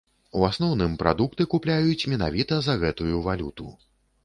І ў асноўным прадукты купляюць менавіта за гэтую валюту.